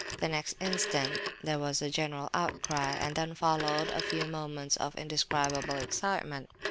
The next instant there was a general outcry, and then followed a few moments of indescribable excitement.